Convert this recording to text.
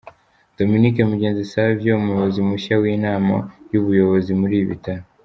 Dominique Mugenzi Savio, Umuyobozi mushya w’Inama y’Ubuyobozi muri ibi bitaro.